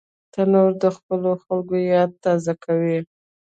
تنور د خپلو خلکو یاد تازه کوي